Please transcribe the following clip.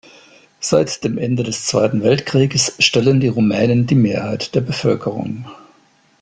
Seit dem Ende des Zweiten Weltkrieges stellen die Rumänen die Mehrheit der Bevölkerung.